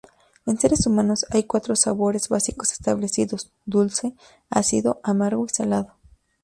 En seres humanos hay cuatro sabores básicos establecidos: dulce, ácido, amargo y salado.